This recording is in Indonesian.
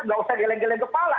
nggak usah geleng geleng kepala